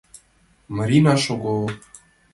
Марина, шого!